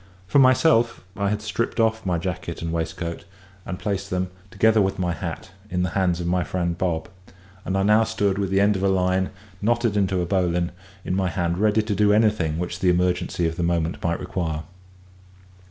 For myself, I had stripped off my jacket and waistcoat, and placed them, together with my hat, in the hands of my friend Bob; and I now stood with the end of a line, knotted into a bowline, in my hand, ready to do anything which the emergency of the moment might require.